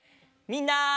みんな！